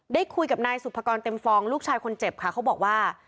ได้คุยกับนายสุภกรเต็มฟองลูกชายคนเจ็บค่ะเขาบอกว่า